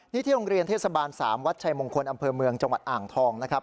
นี่ที่โรงเรียนเทศบาล๓วัดชัยมงคลอำเภอเมืองจังหวัดอ่างทองนะครับ